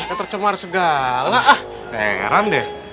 eh tercemar segala ah heran deh